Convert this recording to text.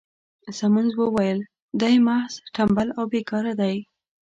سیمونز وویل: دی محض ټمبل او بې کاره دی.